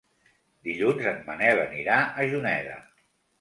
Dilluns en Manel anirà a Juneda.